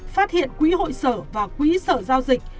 phát hiện quỹ hội sở và quỹ sở giao dịch